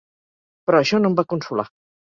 Però això no em va consolar.